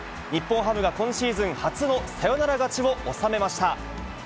日本ハムが今シーズン初のサヨナラ勝ちを収めました。